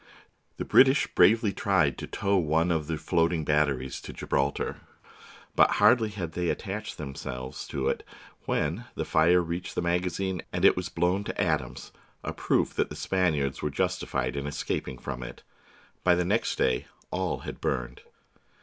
The British bravely tried to tow one of the floating batteries to Gibraltar, but hardly had they attached themselves to it when the fire reached the magazine and it was blown to atoms — a proof that the Spaniards were justified in escaping from it. By the next day all had burned.